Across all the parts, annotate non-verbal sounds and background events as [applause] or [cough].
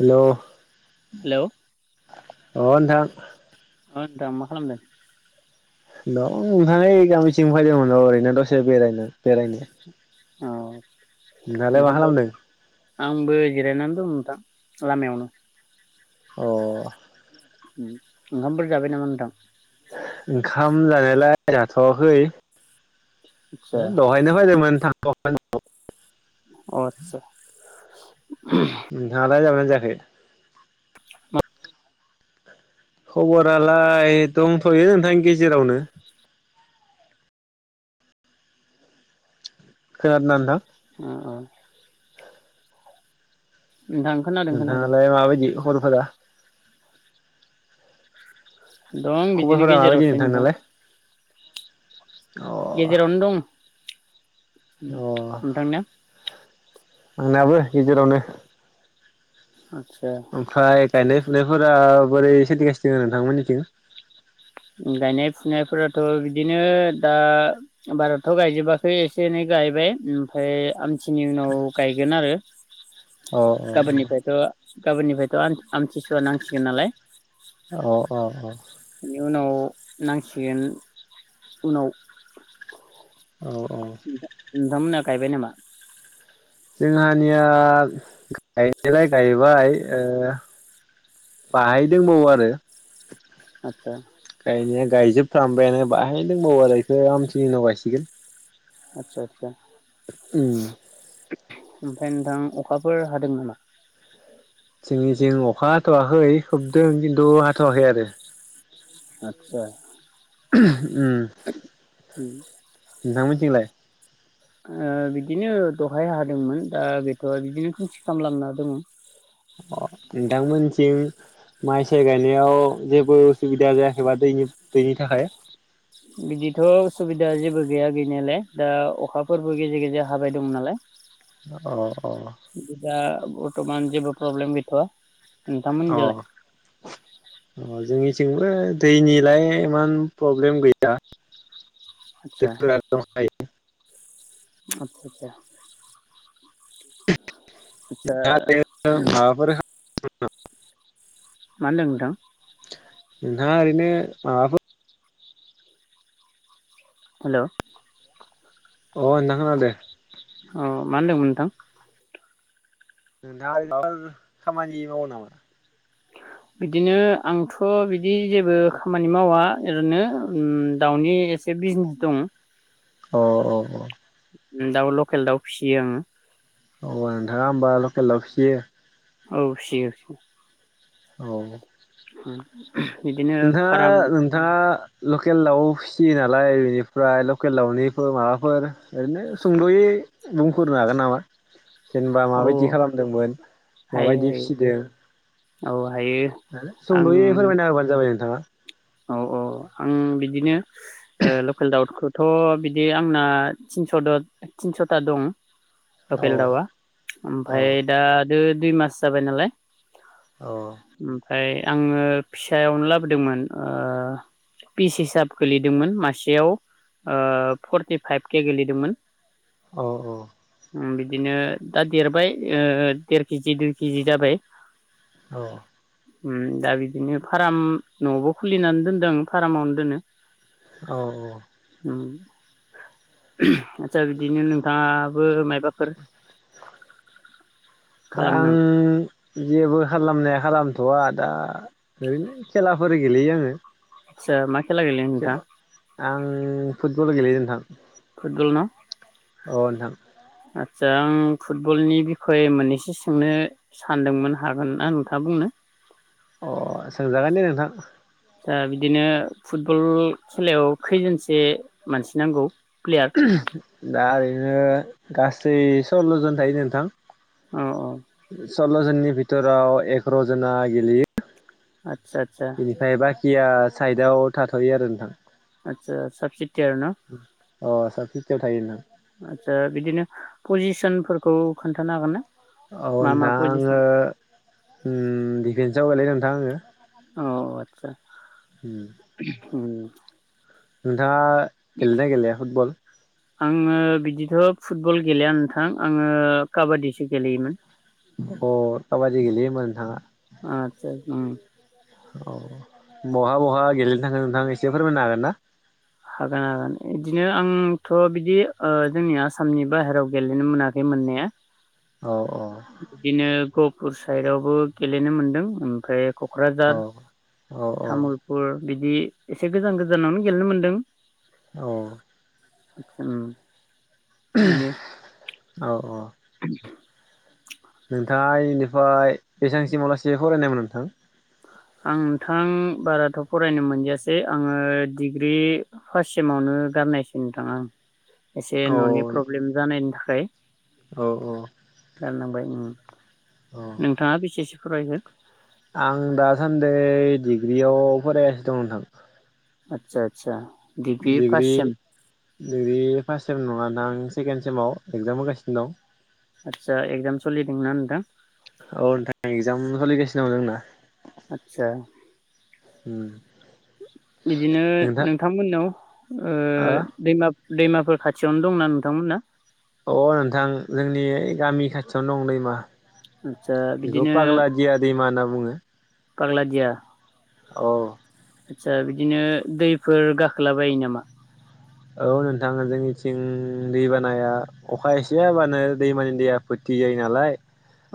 हेल' hello अ नोंथां। अ नोंथां मा खालामदों? [unintelligible] थिं फैदोंमोन ओरैनो दसे बेरायनो बेरायनो। औ नोंहालाय मा ओंखामबाय खालामदों आंबो जिरायनानै दं। दा लामायावनो अ ओंखामफोर जाबाय नामा नोंथां? [unintelligible] ओंखाम जानायालाय जाथ'वाखै आदसा दहायनो फैदोंमोन थां [unintelligible] अ आतसा नोंथाङालाय जाबाय? जायाखै खबरालाय दंथ'यो नोंथां गेजेरावनो खानादों ना ओनथां? अ औ खोनादों नोंथाङालाय माबायदि खबरफोरा? दं बिदिनो खबरफोरा माबायदि गेजेरावसोय नोंथां। नोंथांनालाय अ गेजेरावने दं। अ नोंथांनिआ आंनाबो गेजेरावनो आ ओमफ्राय गायनाय फुनायफोरा बोरै सोलिगासिनो नोंथांमोननिथिं? गायनाय फुनायफोराथ' बिदिनो दा बाराथ' गायजोबाखै एसे एनै गायबाय ओमफ्राय आमथिनि उनाव गायगोन आरो अ गाबोननिफ्रायथ' गाबोननिफ्रायथ' आमथिसुवा नांसिगोन नालाय औ औ औ बेनि उनाव नांसिगोन उनाव अ औ औ [inaudible] नोंथां मोनहा गायबाय नामा? जोंहानिया गायनायलाय गायबाय बाहायदोंबावो आरो आतसा गायजोबखांबायानो बाहाय दंबावो आरो बेखौ आमथिनि उनाव गायसिगोन आतसा आतसा उम ओमफ्राय नोंथां अखाफोर हादों नामा? जोंनि जिं अखा हाथ'वाखै खोबदों किनतु हाथ'वाखै आरो आतसा [inaudible] ओम नोंथांमोनथिंलाय? ओ बिदिनो दहाय हादोंमोन दा बेथ' बिदिनो खोमसि खालामलांना दङ अ नोंथांमोनथिं माइ साइ गायनायाव जेबो उसुबिदा जायाखैबा दैनि दैनि थाखाय बिदिथ'सुबिदा जेबो गैया गैनायालाय दा अखाफोरबो गेजेर गेजेर हाबाय दं नालाय औ [unintelligible] बरथमान जेबो प्रब्लेम गैथ'आ नोंथां अ मोननिजालाय अ जोंनिथिंबो दैनिलाय इमान प्रब्लेम गैया आदसा [unintelligible] आटसा आटसा दा बिदिनो माबाफोर [unintelligible] मा होनदों नोंथां नोंथाङा ओरैनो माबाफोर हेलौ अ नोंथां खोनादो औ मा होनदोंमोन नोंथां नोंथाङा माफोर खामानि मावो नामा बिदिनो आंथ' बिदि जेबो खामानि मावा ओरैनो ओम दाउनि एसे बिजनेस दं औ औ औ दाउ लकेल दाउ फिसियो आङो अ आरो नोंथाङा होमबा लकेल दाव फियो औ फियो औ ओम नोंथाङा नोंथाङा लकेल दाउ फिसियो नालाय बेनिफ्राय लकेल दाउनिफोर माबाफोर ओरैनो सुंद'यै बुंफोरनो हागोन नामा जेनेबा औ माबायदि खालामदोंमोन हायो माबायदि हायो फिसिदों औ हायो आं सुंद'यै फोरमायना होबानो जाबाय नोंथाङा औ औ आं बिदिनो ओ लकेल दाउखौ थ' बिदि आंना थिनस' थिनस'था दं औ लकेल दाउआ औ ओमफाय दा दो दुइ मास जाबाय नालाय औ ओमफ्राय आङो फिसायावनो लाबोदोंमोन ओ पिस हिसाब गोलैदोंमोन मासेयाव ओ फर्टिफाइभ केे गोलैदोंमोन औ औ ओम बिदिनो दा देरबाय ओ देर केजि दुइ केजि जाबाय औ ओम दा बिदिनो फाराम न'आवबो खुलिनानै दोनदों आं फार्मावनो दोनो औ औ ओम [unintelligible] आदसा बिदिनो नोंथाङाबो माय दा खालामो आं नामा जेबो खालामनाया खालाम थ'आ दा ओरैनो खेलाफोर गेलेयो आङो। आतसा मा केला गेलेयो नोंथां आं फुटबला गेलेयो नोंथां फुटबल ना अ नोंथां आदसा आं फुटबलनि बिखय मोननैसो सोंनो सानदोंमोन हागोनना नोंथाङा बुंनो अ सोंजागोन दे नोंथां ओ बिदिनो फुटबल खेलायाव खैजोनसे मानसि नांगौ? प्लेयार दा ओरै नो गासै सल्ल'जन थायो नोंथां । अ अ सल्ल' जननि बिथोराव एगार' जना गेलेयो [inaudible] बिनिफ्राय बााखि खिया साइडआव थाथ'यो आरो नोंथां आचसा साबसिथि आर न' अ सा फिफ्टियाव थायो आचसा बिदिनो पजिसन फोरखौ खोन्थानो हागोन ना? अ मा मा नोंथां आंङो पजिसन उम जावगायलाय नोंथां आङो अ आतसा हुम उम नोंथाङा गेलेनाय गेलेया फुटबल? आङो बिदिथ' फुटबल गेलेया नोंथां आङो काबादिसो गेलेयोमोन अ काबादि गेलेयो होमबा नोंथांआ आदसा उम अ बहा बहा गेलेनो थाङो नोंथां एसे फोरमायनो हागोन ना? हागोन हागोन इदिनो आंथ' बिदि ओ जोंनि आसामनि बाहेराव गेलेनो मोनाखै मोननाया औ औ बिदिनो गपुर साइडआवबो गेलेनो मोन्दों ओमफाय क'क्राझार औ औ औ तामुलपुर बिदि एसे गोजान गोजानावनो गेलेनो मोनदों औ उम बिनो औ औ [inaudible] नोंथाङा एनिफ्राय बेसांसिमावलासे फरायनायमोन नोंथां? आं नोंथां बाराथ' फरायनो मोनदियासै आङो डिग्रि फार्स्टसिमावनो गारनायसै नोंथां आं एसे औ न'नि प्रब्लेम जानायनि थाखाय औ दानलांबाय उम औ नोंथाङा बिसेसो फरायगोन आं दासान्दै डिग्रियाव फरायगासिनो दं नोंथां आतसा आतसा दिग्रि डिग्रि फास सेम नङा दां सेकेणड सेमाव एगजाम होगासिनो दं आदसा एकजाम सलिदोंना नोंथां? औ नोंथां एगजाम [unintelligible] आचसा उम बिदिनो नोंथां नोंथांमोननाव ओ दैमा दैमाफोर खाथियावनो दंना नोंथांमोनना अ नोंथां जोंनि गामि खाथियावनो दं दैमा आदसा बेखौ बिदिनो पाग्ला दिया दैमा होनना बुङो। पागलादिया औ आदसा बिदिनो दैफोर गाखोलाबायो नामा औ नोंथां जोंनिथिं दै बानाया अखा एसे हाबानो दैमानि दैया फोथियो नालाय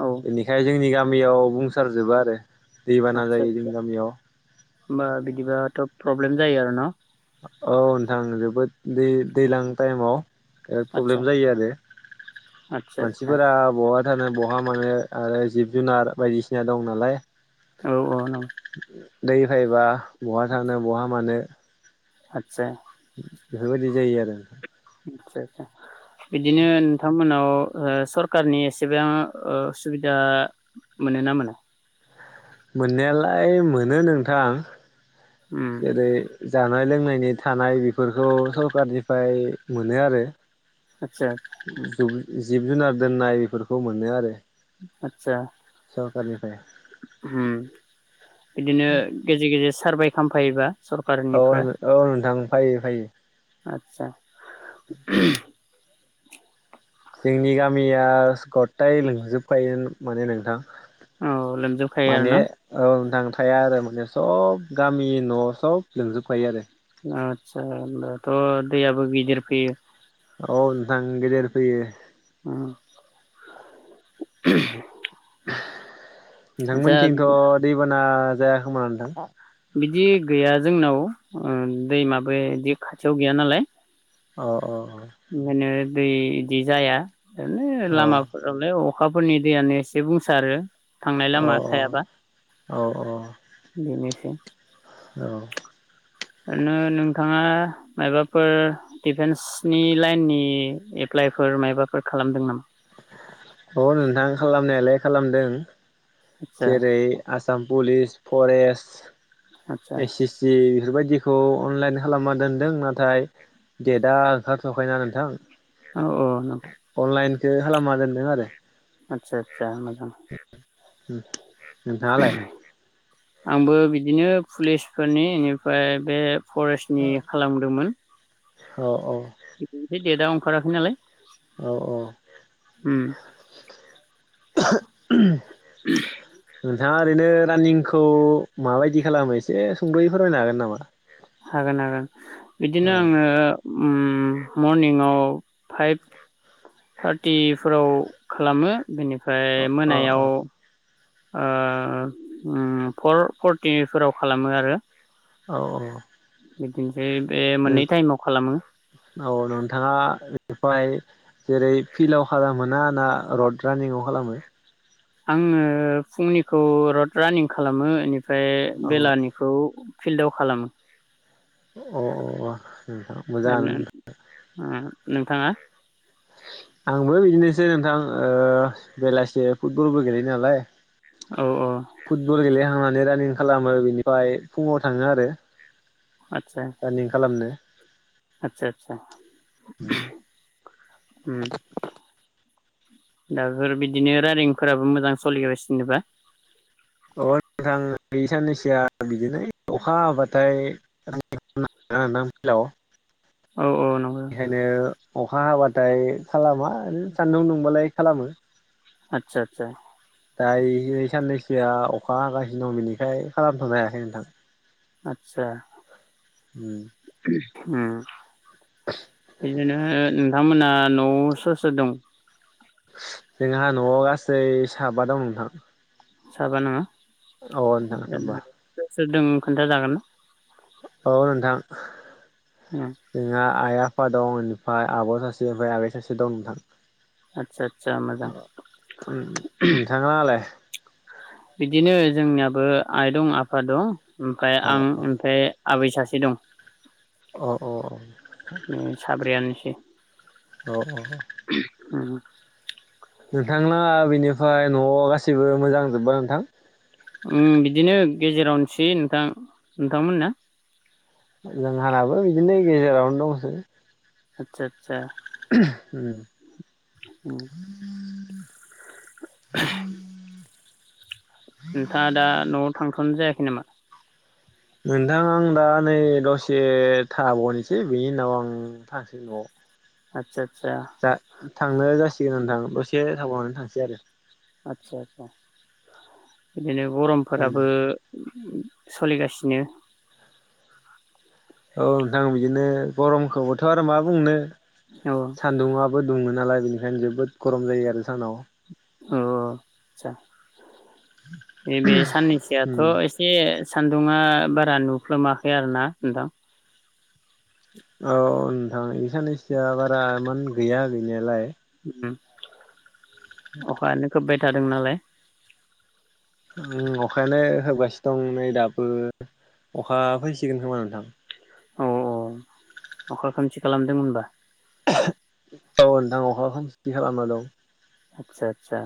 औ बेनिखाय जोंनि गाम गामियाव बुंसार जोबो आरो दैबाना आतसा जायो जोंनि आतसा गामियाव होमबा बिदिबाथ' प्रब्लेम जायो आरो न औ नोंथां जोबोद दै दैलां टाइमाव ओ आदसा प्रब्लेम जायो आरो आदसा आदसा मानसिफोरा बहत थानो बहा मानो आरो जिब जुनार बायदिसिना दं नालाय औ औ नङ दै फायबा बहा थांनो बहा मानो आतसा बेफोरबायदि जायो आरो नोंथां आदसा आसा बिदिनो नोंथांमोनाव ओ सरकारनि एसेबा ओ सुबिदा मोनो ना मोना? मोननायालाय मोनो नोंथां उम जेरै जानाय लोंनायनि थानाय बेफोरखौ सरखारनिफ्राय मोनो आरो आदसा [unintelligible] जिब जुनार दोननाय बेफोरखौ मोनो आरो। आतसा [unintelligible] निफाय होम बिदिनो गेजेर गेजेर सारभाइ खामफायोबा औ औ नोंथां। फायो फायो। आतसा जोंनि गामियास गताय लोंजोबखायो माने नोंथां। औ लोमजोबखायो आरो माने ना औ नोंथां। थाया आरो माने सब गामि न' सब लोमजोबखायो आरो आतसा होमबाथ' दैयाबो गिदिर फैयो। औ नोंथां गेदेर फैयो। उम आदसा नोंथांमोनथिंथ' बिदि दैबाना ना जाया खोमा नोंथां। बिदि गैया जोंनाव ओ दैमाबो इदि खाथियाव गैया नालाय। अ अ अ ओंखायनो दै इदि जाया। ओरैनो अ लामाफोरावलाय अ अखाफोरनि दैयानो एसे बुंसारो। थांनाय अ लामा थायाबा औ बेनोसै। औ ओरैनो नोंथाङा मायबाफोर डिफेन्सनि लाइननि एप्लाइफोर मायबाफोर खालामदों नामा? अ नोंथां खालामनायालाय खालामदों। आदसा जेरै आस साम पुलिस आदसा फरेस्ट एस सि सि बेफोरबायदिखौ अनलाइन खालामना दोनदों। नाथाय डेटआ ओंखारथ'आखैना नोंथां। अ अ नोंथां। [unintelligible] खालामना दोनदों आरो आतसा आतसा मोन अह उम नोंथाङालाय? आंबो बिदिनो पुलिसफोरनि इनिफाय बे फरेस्टनि खालामदोमोन। अ अ। [unintelligible] जेदाव ओंखाराखै नालाय औ औ उम। थाङा ओरैनो रानिंखौ माबायदि खालामो एसे सुंदयै फोरमायनो हागोन नामा? हागोन हागोन। बिदिनो औ आङो उम मरनिंआव फाइभ थारटिफोराव खालामो। बेनिफ्राय अ मोनायाव ओ उम फर फरटिफोराव खालामो आरो। औ औ। बिदिनो। उम औ नोंथाङा बेफाय जेरै फिल्डाव खालामो ना ना रड रानिंआव खालामो। आङो फुंनिखौ रड रानिं खालामो इनि औ ओमफाय। फिल्डाव खालामो। अ अ। नोंथां मोजाङानो ओरैनो । ओ नोंथाङा। आंबो बिदिनोसै नोंथां ओ बेलासि फुटबलबो गेलेयो नालाय। औ औ। थांनानै रानिं खालामो बिनिफ्राय फुङाव थाङो आरो। रानिं खालामनो। आतसा आतसा। उम। दाफोर बिदिनो रानिंफोराबो मोजां सलिगासिनोबा। अ थां गै साननैसो जिथिया बिदिनो अखा हाबाथाय [unintelligible] नोंथां फिलाव। औ औ नंगौ बेखायनो अखा हाबाथाय खालामा ओरैनो सान्दुं दुंबालाय खालामो। आतसा आतसा। दायो साननैसोआ अखा हागासिनो दं बिनिखाय खालामथ'नो हायाखै नोंथां। आतसा। उम। ओम। बेनो [unintelligible] नोंथमोनहा न'याव सोर दं? जोंहा न'आव गासै साबा दं नोंथां। साबाना औ नोंथां सोर दों खोन्थाजागोन ना? औ नोंथां। ना जोंहा आइ आफ आफा दं इनफ्राय आब' सासे ओमफ्राय आबै सासे दं नोंथां । आतसा आट [unintelligible] नोंथाङालाय बिदिनो जोंनियाबो आइ दं आफा दं ओमफ्राय अ आं ओमफ्राय आबै सासे दं । अ औ औ। [unintelligible] औ औ नोंथांलाङा इनफाय न'आव गाैबो मोजां जोब्बा नोंथां? उम बिदिनो गेजेरावनसै नोंथां। नोंथांमोना? जोंहानाबो बिदिनो गेजेरावनो दंसै। आतसा [unintelligible] उम ओम नोंथाङा दा न'आव थांथारसिगोन सम जायाखै नामा? नोंथां आं दा नै दसे थाबावनोसै बेनि उनाव आं थांसै न'आव । आतसा दा थांनो जासि सिगां थाङो दसे थाबावनानै थांसै आरो आतसा आसा। बिनो गरमफोराबो सोलिगासिनो ।। औ नोंथां बिदिनो गरमखौबोथ' आरो मा बुंनो औ बो दङ नालाय बेनिखायनो जोबोद । गरम जायो आरो सानाव। अ आटसा एबे औ साननैसोआथ' एसे सान्दुंङा बारा नुफ्लोमाखै आरो ना नोंथां औ नोंथां ए साननैसोआ बारा एमान गैया गैनायालाय उम अखानो खोबेद थादों नालाय ओम अखायानो होबगासिनो दं नै दाबो अखा फैसिगोन खोमा नोंथां औ औ अखा खोमसि खालामदों होनबा औ नोंथां अखा ससथि खालामना दं हादसा आदसा